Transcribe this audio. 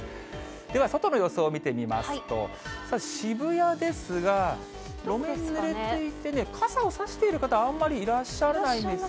では外の様子を見てみますと、さあ、渋谷ですが、路面、ぬれていてね、傘をさしている方、あんまりいらいらっしゃいませんね。